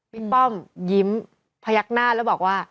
ป้อมยิ้มพยักหน้าแล้วบอกว่า